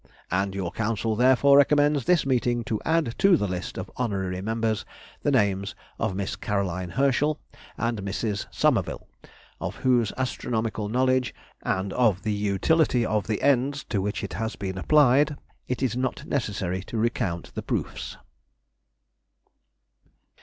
And your Council therefore recommends this meeting to add to the list of honorary members the names of Miss Caroline Herschel and Mrs. Somerville, of whose astronomical knowledge, and of the utility of the ends to which it has been applied, it is not necessary to recount the proofs...."